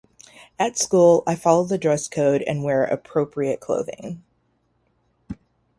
At school, I follow the dress code and wear appropriate clothing.